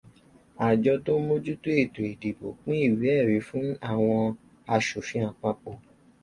Àjọ tó ń mójúto ètò ìdìbò pín iwé ẹ̀rí fún àwọn aṣòfin àpapọ̀